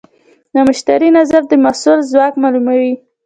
د مشتری نظر د محصول ځواک معلوموي.